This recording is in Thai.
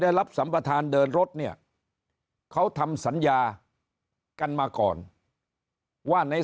รับสัมประธานเดินรถเนี่ยเขาทำสัญญากันมาก่อนว่าใน